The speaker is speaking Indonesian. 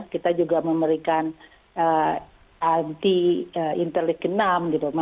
kita juga memberikan anti interleukinam gitu